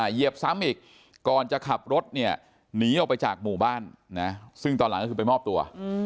เหยียบซ้ำอีกก่อนจะขับรถเนี่ยหนีออกไปจากหมู่บ้านนะซึ่งตอนหลังก็คือไปมอบตัว